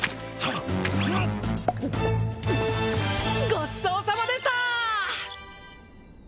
ごちそうさまでした！